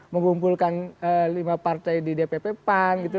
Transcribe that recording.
mengumpulkan lima partai di dpp pan gitu